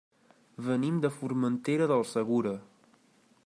Venim de Formentera del Segura.